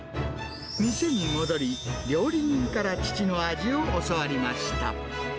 店に戻り、料理人から父の味を教わりました。